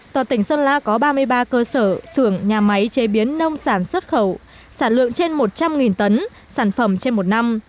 toàn tỉnh sơn la có ba mươi ba cơ sở xưởng nhà máy chế biến nông sản xuất khẩu sản lượng trên một trăm linh tấn sản phẩm trên một năm